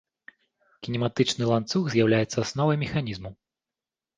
Кінематычны ланцуг з'яўляецца асновай механізму.